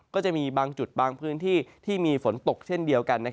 ก็จะมีบางจุดบางพื้นที่ที่มีฝนตกเช่นเดียวกัน